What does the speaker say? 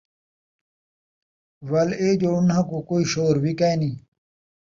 وَل ایہ جو اُنھاں کوں کوئی شعور وی کائے نھیں ۔